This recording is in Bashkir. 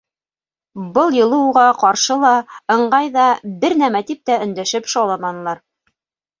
Был юлы уға ҡаршы ла, ыңғай ҙа бер нәмә тип тә өндәшеп шауламанылар.